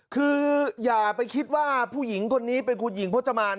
คืออย่าไปคิดว่าผู้หญิงคนนี้เป็นคุณหญิงพจมาน